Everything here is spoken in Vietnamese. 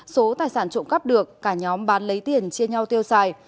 số tài sản trộm cắp được cả nhóm bán lấy tiền chia nhau tiêu xài